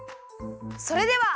それでは。